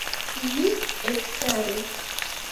Mi ekstaris.